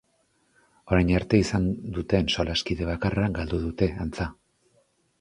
Orain arte izan duten solaskide bakarra galdu dute, antza.